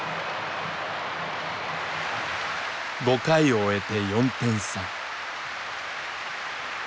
５回を終えて４点差。